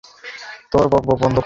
তোর বক বক বন্ধ কর!